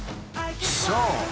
そう